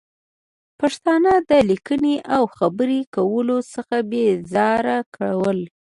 پښتانه د لیکنې او خبرې کولو څخه بې زاره کول